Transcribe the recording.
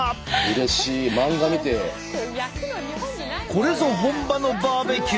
これぞ本場のバーベキュー。